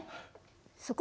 そこ？